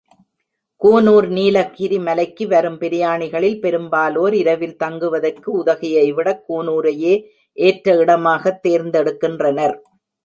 கூனூர் நீலகிரி மலைக்கு வரும் பிரயாணிகளில் பெரும்பாலோர் இரவில் தங்குவதற்கு உதகையைவிடக் கூனூரையே ஏற்ற இடமாகத் தேர்ந்தெடுக்கின்றனர்.